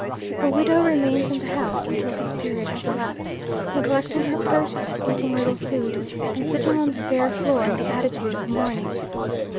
A widow remains in the house until this period has elapsed, neglecting her person, eating little food, and sitting on the bare floor in the attitude of mourning.